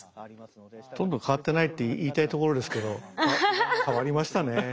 ほとんど変わってないって言いたいところですけど変わりましたね。